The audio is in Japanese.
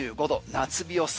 夏日予想。